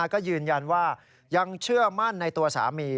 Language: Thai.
ก็ยืนยันว่ายังเชื่อมั่นในตัวสามี